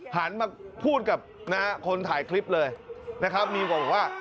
หันมาพูดกับคนถ่ายคลิปเลยนะครับมีบอกว่า